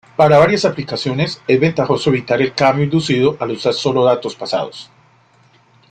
Para varias aplicaciones, es ventajoso evitar el cambio inducido al usar solo datos "pasados".